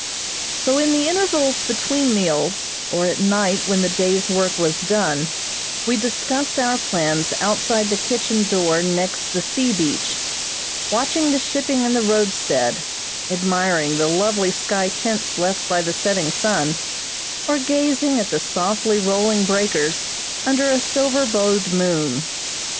So in the intervals between meals, or at night when the day's work was done, we discussed our plans outside the kitchen door next the sea beach, watching the shipping in the roadstead, admiring the lovely sky tints left by the setting sun, or gazing at the softly rolling breakers under a silver bowed moon.